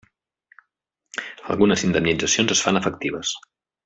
Algunes indemnitzacions es fan efectives.